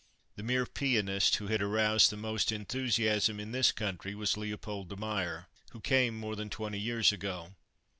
The mere pianist who had aroused the most enthusiasm in this country was Leopold de Meyer, who came more than twenty years ago.